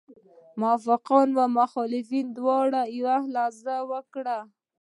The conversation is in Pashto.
موافقان مخالفان دواړه لحاظ وکړي.